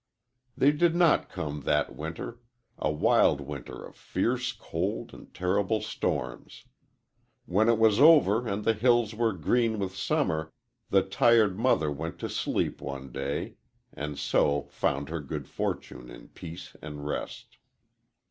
"They did not come that winter a wild winter of fierce cold and terrible storms. When it was over and the hills were green with summer, the tired mother went to sleep one day, and so found her good fortune in peace and rest.